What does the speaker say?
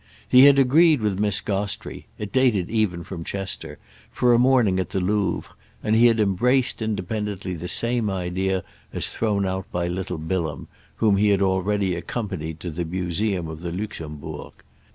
He had agreed with Miss Gostrey—it dated even from Chester—for a morning at the Louvre, and he had embraced independently the same idea as thrown out by little Bilham, whom he had already accompanied to the museum of the Luxembourg.